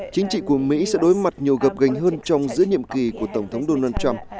chính trị của mỹ sẽ đối mặt nhiều gặp gành hơn trong giữa nhiệm kỳ của tổng thống donald trump